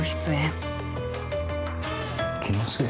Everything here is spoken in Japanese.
気のせい？